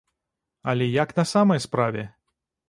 Але як на самай справе?